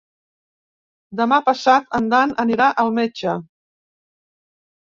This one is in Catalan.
Demà passat en Dan anirà al metge.